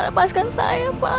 lepaskan saya pak